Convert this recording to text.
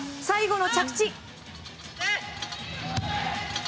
最後の着地。